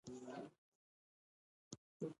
پکار ده چې مونږه يو بل واورو